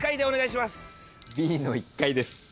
お願いします！